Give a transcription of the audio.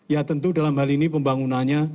ya tentu dalam hal ini pembangunannya